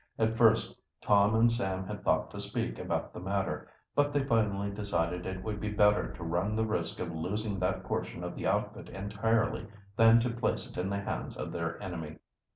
At first Tom and Sam had thought to speak about the matter, but they finally decided it would be better to run the risk of losing that portion of the outfit entirely than to place it in the hands of their enemy.